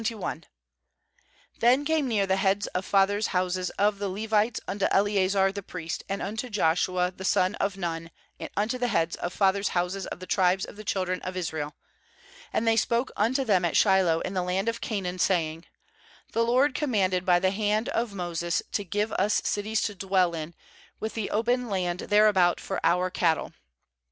O | Then came near the heads of u^ fathers7 houses of the Levites unto Eleazar the priest, and unto Joshua the son of Nun, and unto the heads of fathers' houses of the tribes of the children of Israel; 2and they spoke unto them at Shiloh in the land of Canaan, saying: 'The LOED com manded by the hand of Moses to give us cities to dwell in, with the open land thereabout for our cattle.'